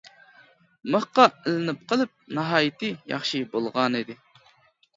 مىخقا ئىلىنىپ قېلىپ ناھايىتى ياخشى بولغانىدى.